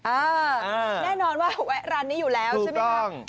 แน่นอนว่าแวะร้านนี้อยู่แล้วใช่ไหมครับ